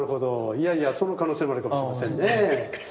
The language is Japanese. いやいやその可能性もあるかもしれませんね。